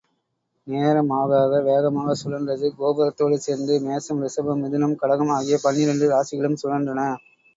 நேரம் ஆகஆக வேகமாகச் சுழன்றது, கோபுரத்தோடு சேர்ந்து மேஷம், ரிஷபம், மிதுனம், கடகம் ஆகிய பன்னிரெண்டு ராசிகளும் சுழன்றன.